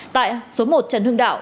tại số một trần hương đạo